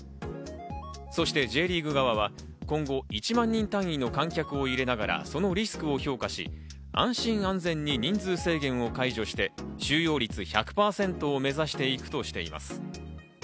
そしてＪリーグ側は今後１万人単位の観客を入れながらそのリスクを評価し、安心安全に人数を解除して収容率１００％を目指していくとしています。